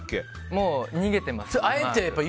もう、逃げてます。